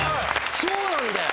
そうなんだよ！